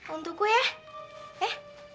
untukku ya ya